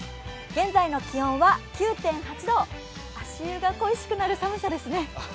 現在の気温は９．８度、足湯が恋しくなる寒さですね。